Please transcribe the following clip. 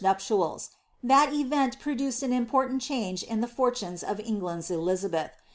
Bnptials. That event produced an important change in the fortnnea of Ei^land's Elizabeth.